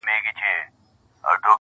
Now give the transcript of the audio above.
له دې مقامه دا دوه مخي په شړلو ارزي,